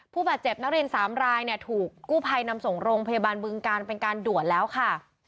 ผู้บาดเจ็บนักเรียน๓รายเนี่ยถูกกู้ภัยนำส่งโรงพยาบาลบึงการเป็นการด่วนแล้วค่ะ